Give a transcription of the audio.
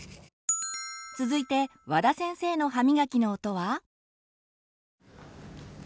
続いて和田先生の歯みがきの音は。